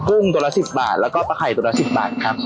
ุ้งตัวละ๑๐บาทแล้วก็ปลาไข่ตัวละ๑๐บาทครับ